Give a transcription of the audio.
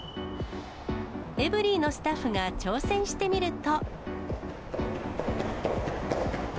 エブリィのスタッフが挑戦してみると。